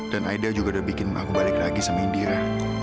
dan aida juga udah bikin aku balik lagi sama indira